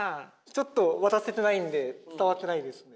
ちょっと渡せてないんで伝わってないですね。